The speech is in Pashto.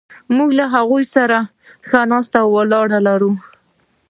موږ له هغوی سره ښه ناسته ولاړه لرو.